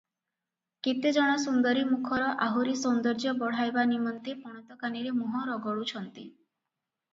କେତେ ଜଣ ସୁନ୍ଦରୀ ମୁଖର ଆହୁରି ସୌନ୍ଦର୍ଯ୍ୟ ବଢ଼ାଇବା ନିମନ୍ତେ ପଣତକାନିରେ ମୁହଁ ରଗଡୁଛନ୍ତି ।